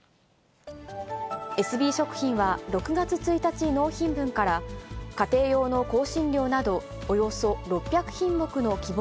エスビー食品は６月１日納品分から、家庭用の香辛料など、およそ６００品目の希望